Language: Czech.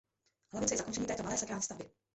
Hlavice je zakončení této malé sakrální stavby.